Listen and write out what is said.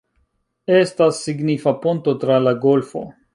Estas signifa ponto tra la golfo.